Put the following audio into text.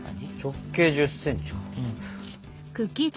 直径１０ｃｍか。